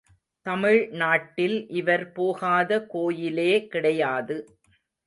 தமிழ்நாட்டில் இவர் போகாத கோயிலே கிடையாது.